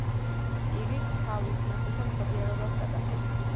იგი თავის მეხუთე მშობიარობას გადაჰყვა.